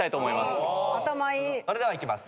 それではいきます。